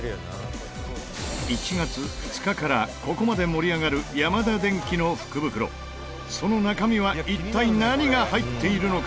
１月２日からここまで盛り上がるヤマダデンキの福袋、その中身は一体、何が入っているのか？